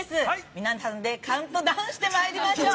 皆さんで、カウントダウンしていただきましょう。